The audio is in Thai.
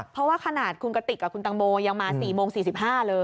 เพราะว่าขนาดคุณกติกกับคุณตังโมยังมา๔โมง๔๕เลย